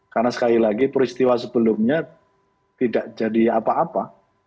karena sekali lagi peristiwa sebelumnya tidak jadi apa apa